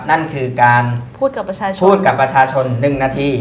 นั่นคือการพูดกับประชาชน๑นาที